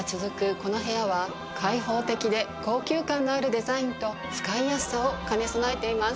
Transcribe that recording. この部屋は開放的で高級感のあるデザインと使いやすさを兼ね備えています。